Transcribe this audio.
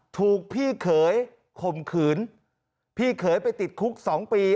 ถูกพี่เขยข่มขืนพี่เขยไปติดคุก๒ปี